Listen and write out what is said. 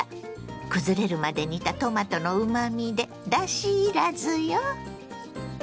くずれるまで煮たトマトのうまみでだしいらずよ。